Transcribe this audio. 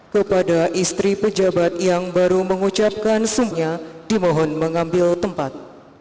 kepada istri pejabat yang baru mengucapkan suhnya dimohon mengambil tempat